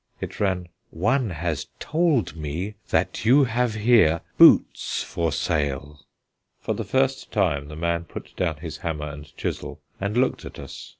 It ran: "One has told me that you have here boots for sale." For the first time the man put down his hammer and chisel, and looked at us.